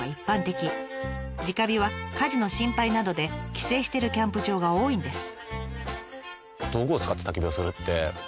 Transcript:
直火は火事の心配などで規制してるキャンプ場が多いんです。